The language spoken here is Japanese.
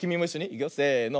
いくよせの。